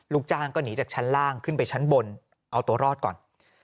ลูกจ้างก็หนีจากชั้นล่างขึ้นไปชั้นบนเอาตัวรอดก่อน